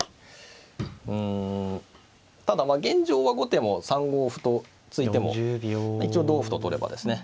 うんただまあ現状は後手も３五歩と突いても一応同歩と取ればですね